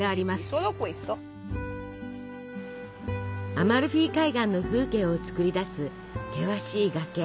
アマルフィ海岸の風景をつくり出す険しい崖。